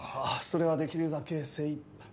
それはできるだけ精いっぱい。